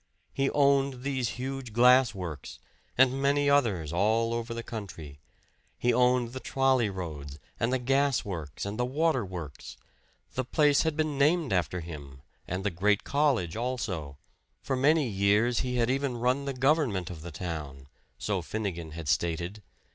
He owned these huge glass works, and many others all over the country. He owned the trolley roads, and the gas works, and the water works; the place had been named after him, and the great college also. For many years he had even run the government of the town, so Finnegan had stated.